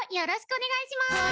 お願いします。